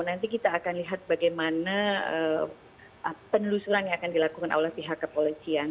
nanti kita akan lihat bagaimana penelusuran yang akan dilakukan oleh pihak kepolisian